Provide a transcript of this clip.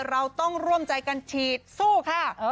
เราต้องร่วมใจกันฉีดสู้ค่ะ